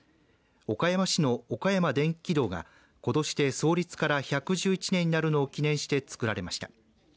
岡山市の岡山電気軌道がことしで創立から１１１年になるのを記念して作られました。